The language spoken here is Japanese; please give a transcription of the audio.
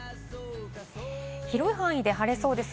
広い範囲で晴れそうです。